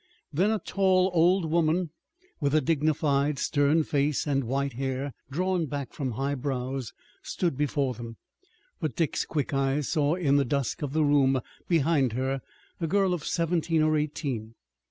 Then a tall old woman with a dignified, stern face and white hair, drawn back from high brows, stood before them. But Dick's quick eyes saw in the dusk of the room behind her a girl of seventeen or eighteen.